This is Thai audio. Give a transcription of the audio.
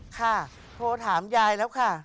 ค่ะโทรถามยายแล้วค่ะ